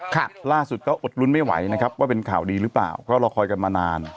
ล่าสุดก็อดลุ้นไม่ไหวนะครับว่าเป็นข่าวดีหรือเปล่าก็รอคอยกันมานาน